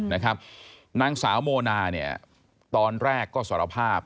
นางสาวโมนาตอนแรกก็สารภาพ